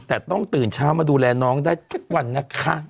แต่ต้องตื่นเช้ามาดูแลน้องได้ทุกวันนะคะ